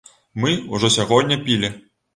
Мы ўжо сягоння пілі.